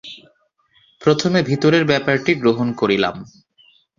প্রথমে ভিতরের ব্যাপারটি গ্রহণ করিলাম।